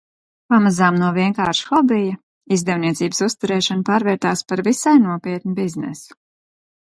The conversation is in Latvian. Pamazām no vienkārša hobija izdevniecības uzturēšana pārvērtās par visai nopietnu biznesu.